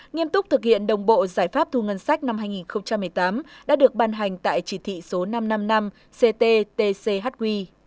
nghiêm túc thực hiện đồng bộ giải pháp thu ngân sách năm hai nghìn một mươi tám đã được ban hành tại chỉ thị số năm trăm năm mươi năm cttchq